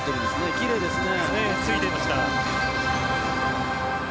きれいですね。